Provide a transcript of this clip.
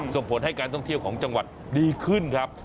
ส่งผลให้การท่องเที่ยวของจังหวัดดีขึ้นครับ